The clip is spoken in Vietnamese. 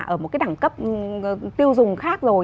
ở một cái đẳng cấp tiêu dùng khác rồi